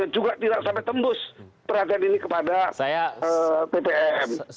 juga tidak sampai tembus perhatian ini kepada ppm